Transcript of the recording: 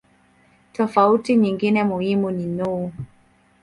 Tofauti nyingine muhimu ni no.